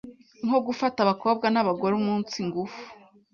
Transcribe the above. nko gufata abakobwa n’abagore umunsi ngufu,